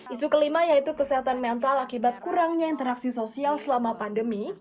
isu kelima yaitu kesehatan mental akibat kurangnya interaksi sosial selama pandemi